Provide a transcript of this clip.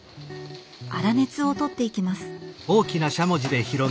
粗熱をとっていきます。